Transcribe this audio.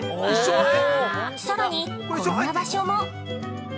さらに、こんな場所も。